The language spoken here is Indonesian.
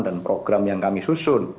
dan program yang kami susun